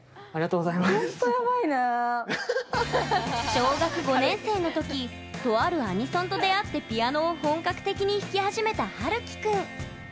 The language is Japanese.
小学５年生の時とあるアニソンと出会ってピアノを本格的に弾き始めたはるき君。